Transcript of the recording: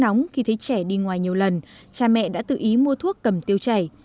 nóng khi thấy trẻ đi ngoài nhiều lần cha mẹ đã tự ý mua thuốc cầm tiêu chảy